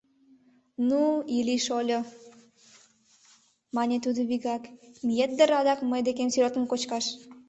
— Ну, Илли-шольо, — мане тудо вигак, — миет дыр адак мый декем селёдкым кочкаш?